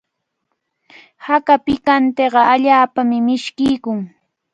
Haka pikantiqa allaapami mishkiykun.